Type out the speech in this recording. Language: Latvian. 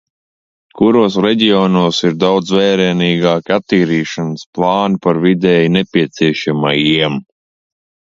Kuros reģionos ir daudz vērienīgāki attīrīšanas plāni par vidēji nepieciešamajiem?